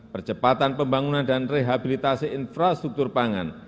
percepatan pembangunan dan rehabilitasi infrastruktur pangan